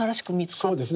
そうですね